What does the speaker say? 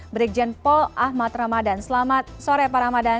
brigjen paul ahmad ramadan selamat sore pak ramadan